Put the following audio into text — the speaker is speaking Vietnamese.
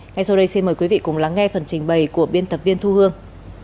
ngay sau đây xin mời quý vị cùng lắng nghe phần trình bày của biên tập viên thu hương